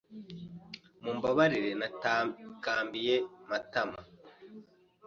Mumbabarire natakambiye Matama.